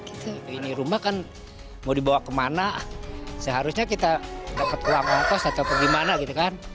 ini rumah kan mau dibawa kemana seharusnya kita dapat ruang kos ataupun gimana gitu kan